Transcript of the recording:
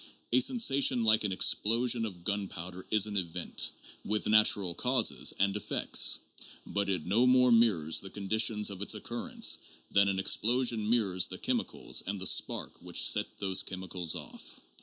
A sensation like an explosion of gunpowder is an event, with natural causes and effects ; but it no more mirrors the conditions of its occurrence than an explosion mirrors the chemicals and the spark which set those chemicals off.